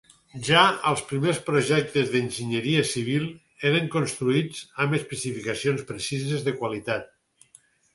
Ja els primers projectes d'enginyeria civil eren construïts amb especificacions precises de qualitat.